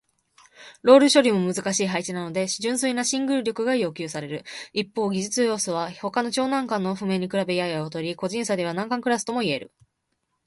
ロール処理も難しい配置なので純粋なシングル力が要求される。一方、技術要素は他の超難関の譜面に比べやや劣り、個人差では難関クラスとも言える。